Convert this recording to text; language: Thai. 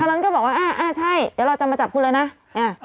นั้นก็บอกว่าอ่าอ่าใช่เดี๋ยวเราจะมาจับคุณเลยนะอ่า